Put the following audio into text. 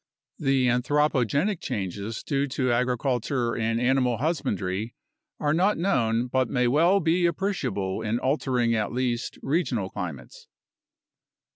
The anthropogenic changes due to agriculture and animal husbandry are not known but may well be appreciable in altering at least regional climates.